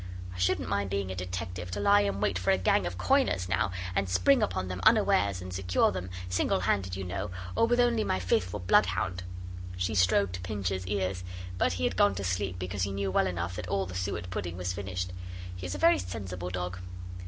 I shouldn't mind being a detective to lie in wait for a gang of coiners, now, and spring upon them unawares, and secure them single handed, you know, or with only my faithful bloodhound.' She stroked Pincher's ears, but he had gone to sleep because he knew well enough that all the suet pudding was finished. He is a very sensible dog.